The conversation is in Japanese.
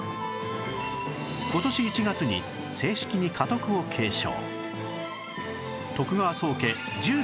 今年１月に正式に家督を継承